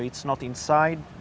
jadi itu tidak di dalam rumah